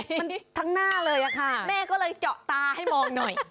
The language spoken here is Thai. มันทั้งหน้าเลยอะค่ะแม่ก็เลยเจาะตาให้มองหน่อย